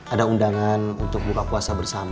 ada undangan untuk buka puasa bersama